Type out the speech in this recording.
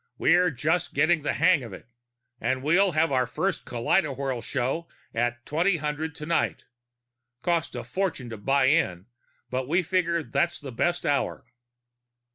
We're just getting the hang of it! And we'll have our first kaleidowhirl show at 2000 tonight. Cost a fortune to buy in, but we figured that's the best hour."